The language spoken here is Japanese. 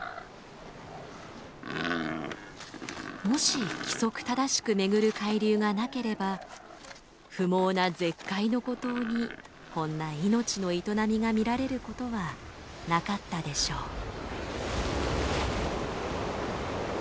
もし規則正しく巡る海流がなければ不毛な絶海の孤島にこんな命の営みが見られることはなかったでしょう。